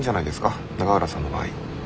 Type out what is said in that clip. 永浦さんの場合。